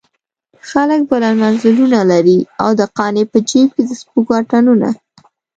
خلک بلند منزلونه لري او د قانع په جيب کې د سپږو اتڼونه.